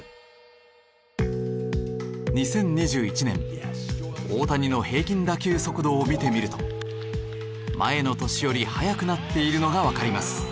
２０２１年大谷の平均打球速度を見てみると前の年より速くなっているのがわかります。